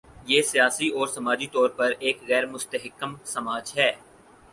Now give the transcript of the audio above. یہ سیاسی اور سماجی طور پر ایک غیر مستحکم سماج ہے۔